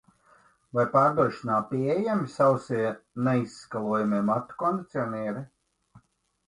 Vai pārdošanā pieejami sausie, neizskalojamie matu kondicionieri?